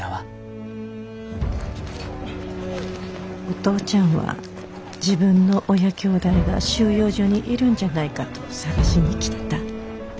お父ちゃんは自分の親きょうだいが収容所にいるんじゃないかと捜しに来てた。